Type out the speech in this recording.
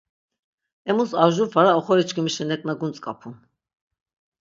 Emus ar jur fara oxoriçkimişi neǩna guntzǩapun.